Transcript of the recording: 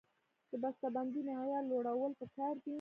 د بسته بندۍ معیار لوړول پکار دي